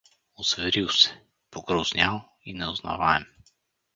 Озверил се, погрознял и неузнаваем!